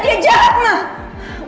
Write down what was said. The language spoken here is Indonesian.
dia jelek mah